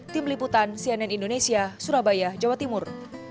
tim liputan cnn indonesia surabaya jawa timur